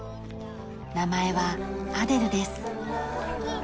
名前はアデルです。